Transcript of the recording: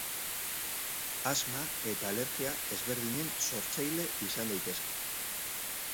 Asma eta alergia ezberdinen sortzaile izan daitezke.